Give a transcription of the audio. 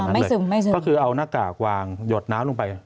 อย่างนั้นเลยคือเอานากากวางหยดน้ำลงไป